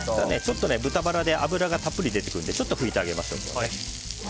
豚バラで脂がたっぷり出てくるのでちょっと拭いてあげましょうかね。